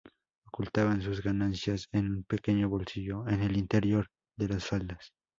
Ocultaban sus ganancias en un pequeño bolsillo en el interior de las faldas.